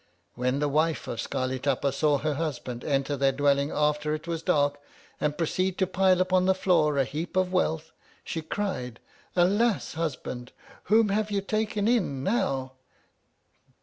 When the wife of Scarli Tapa saw her husband enter their dwelling after it was dark, and proceed to pile upon the floor a heap of wealth, she cried, Alas ! husband, whom have you taken in, now